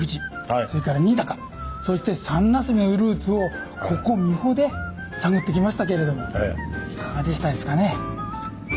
それから「二鷹」そして「三茄子」のルーツをここ三保で探ってきましたけれどいかがでしたですかね？